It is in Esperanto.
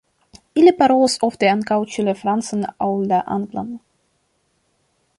Ili parolas ofte ankaŭ ĉu la francan aŭ la anglan.